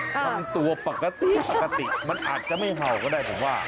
ทำตัวปกติมันอาจจะไม่เห่าก็ได้ผมว่า